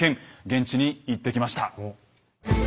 現地に行ってきました。